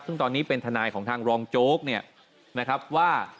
ซึ่งตอนนี้เป็นทนายของทางรองโจ๊กเนี่ยนะครับว่า